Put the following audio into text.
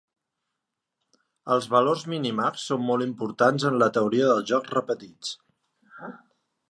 Els valors minimax són molt importants en la teoria de jocs repetits.